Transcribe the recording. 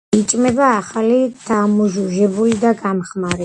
იჭმება ახალი, დამუჟუჟებული და გამხმარი.